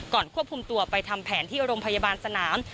ควบคุมตัวไปทำแผนที่โรงพยาบาลสนาม